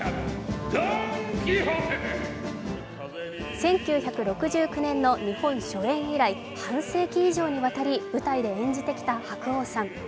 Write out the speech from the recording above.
１９６９年の日本初演以来、半世紀以上にわたり舞台で演じてきた白鸚さん。